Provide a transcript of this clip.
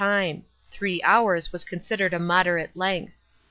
CHAP, xxxi time : three hours was considered a moderate length.